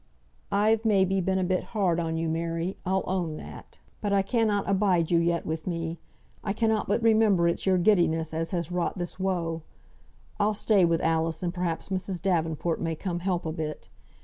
"I've may be been a bit hard on you, Mary, I'll own that. But I cannot abide you yet with me. I cannot but remember it's your giddiness as has wrought this woe. I'll stay wi' Alice, and perhaps Mrs. Davenport may come help a bit.